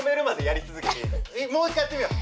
もう１回やってみよう。